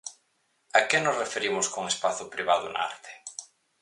A que nos referimos con espazo privado na arte?